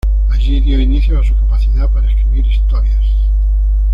Allí dio inicios a su capacidad para escribir historias.